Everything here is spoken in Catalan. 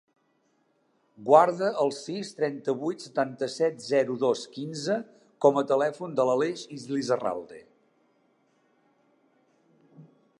Guarda el sis, trenta-vuit, setanta-set, zero, dos, quinze com a telèfon de l'Aleix Lizarralde.